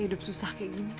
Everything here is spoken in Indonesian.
hidup susah kayak gini